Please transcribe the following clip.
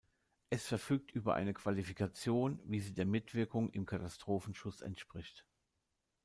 Es verfügt über eine Qualifikation, wie sie der Mitwirkung im Katastrophenschutz entspricht.